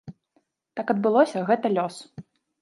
Так адбылося, гэта лёс.